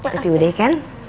tapi udah ya kan